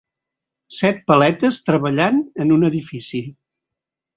Set paletes treballant en un edifici.